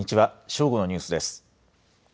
正午のニュースです。